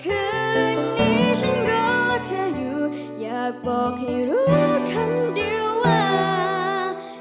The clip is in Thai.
คืนนี้ฉันรอเธออยู่อยากบอกให้รู้คำเดียวว่า